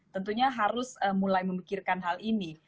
tentunya harus mulai memikirkan hal ini